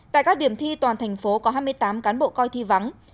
tại các điểm thi toàn thành phố có hai mươi tám cán bộ coi thi vắng